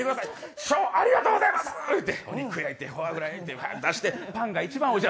師匠ありがとうございます言うてお肉焼いてフォアグラ焼いてパンが一番おいしい。